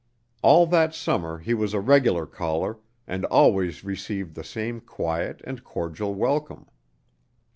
All that summer he was a regular caller, and always received the same quiet and cordial welcome.